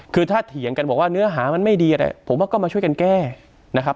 คือถ้าเถียงกันบอกว่าเนื้อหามันไม่ดีผมว่าก็มาช่วยกันแก้นะครับ